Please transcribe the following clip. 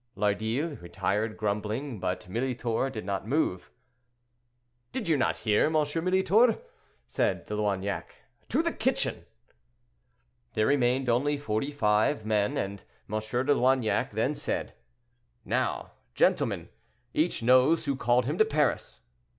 Lardille retired grumbling, but Militor did not move. "Did you not hear, M. Militor," said De Loignac; "to the kitchen!" There remained only forty five men, and M. de Loignac then said, "Now, gentlemen, each knows who called him to Paris.